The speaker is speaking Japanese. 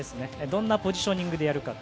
どんなポジショニングでやるか。